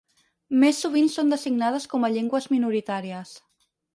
Més sovint són designades com a llengües minoritàries.